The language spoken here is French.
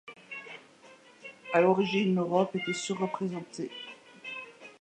À l’origine, l’Europe était surreprésentée.